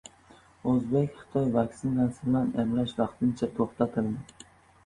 O‘zbek-xitoy vaktsinasi bilan emlash vaqtincha to‘xtatildi